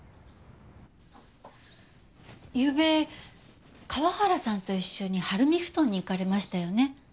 ゆうべ河原さんと一緒に晴海埠頭に行かれましたよね？